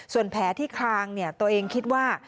ส่วนแพ้ที่คลางเนี่ยตัวเองคิดว่า